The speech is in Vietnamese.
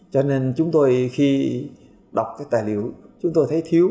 cho nên chúng tôi khi đọc cái tài liệu chúng tôi thấy thiếu